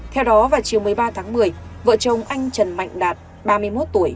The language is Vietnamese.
theo đó vào chiều một mươi ba tháng một mươi vợ chồng anh trần mạnh đạt ba mươi một tuổi